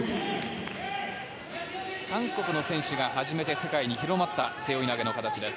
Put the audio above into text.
韓国の選手が始めて世界に広まった背負い投げの形です。